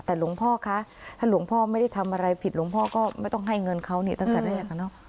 แต่หลวงพ่อคะถ้าหลวงพ่อไม่ได้ทำอะไรผิดหลวงพ่อก็ไม่ต้องให้เงินเขานี่ตั้งแต่แรกอะเนาะ